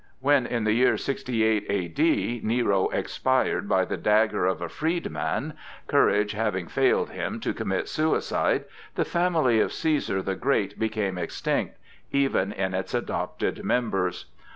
When, in the year 68 A.D., Nero expired by the dagger of a freedman, courage having failed him to commit suicide, the family of Cæsar the Great became extinct, even in its adopted members.